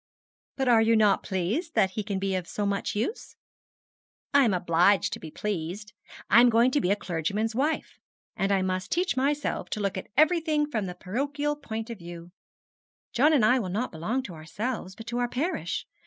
'But are you not pleased that he can be of so much use?' 'I am obliged to be pleased. I am going to be a clergyman's wife; and I must teach myself to look at everything from the parochial point of view. John and I will not belong to ourselves, but to our parish.